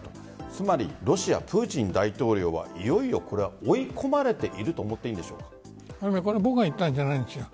つまり、ロシアプーチン大統領はいよいよこれは追い込まれていると僕が言ったんじゃないんですよ。